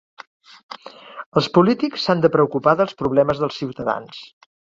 Els polítics s'han de preocupar dels problemes dels ciutadans.